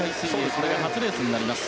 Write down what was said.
これが初レースになります。